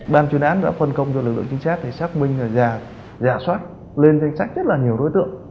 ban chuyên án đã phân công cho lực lượng chính sách xác minh và giả soát lên danh sách rất là nhiều đối tượng